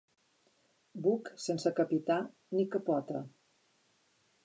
Buc sense capità ni capota.